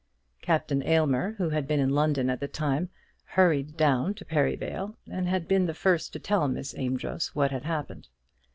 Captain Aylmer, who had been in London at the time, hurried down to Perivale, and had been the first to tell Miss Amedroz what had happened.